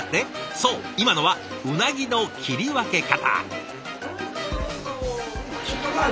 そう今のはうなぎの切り分け方！